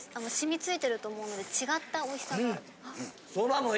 しみついてると思うので違ったおいしさが。